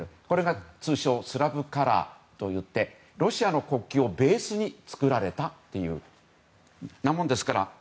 これが通称スラブカラーといってロシアの国旗をベースに作られたというものです。